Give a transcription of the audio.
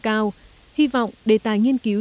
cao hy vọng đề tài nghiên cứu